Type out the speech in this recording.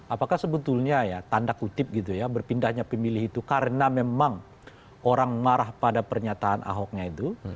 apakah sebetulnya ya tanda kutip gitu ya berpindahnya pemilih itu karena memang orang marah pada pernyataan ahoknya itu